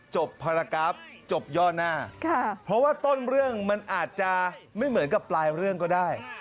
ภารกราฟจบย่อหน้าเพราะว่าต้นเรื่องมันอาจจะไม่เหมือนกับปลายเรื่องก็ได้